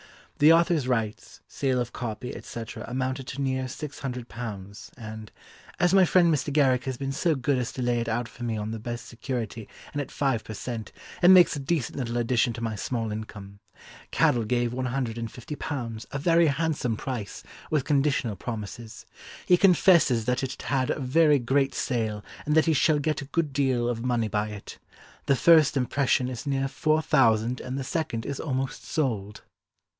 The author's rights, sale of copy, etc., amounted to near six hundred pounds, and "as my friend Mr. Garrick has been so good as to lay it out for me on the best security and at five per cent., it makes a decent little addition to my small income. Cadell gave £150, a very handsome price, with conditional promises. He confesses that it had had a very great sale and that he shall get a good deal of money by it. The first impression is near four thousand and the second is almost sold."